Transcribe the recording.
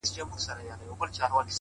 • بې دلیله مي د ښمن دی په بازار کي,